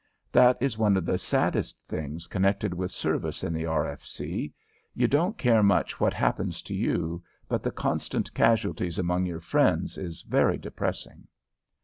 That is one of the saddest things connected with service in the R. F. C. You don't care much what happens to you, but the constant casualties among your friends is very depressing.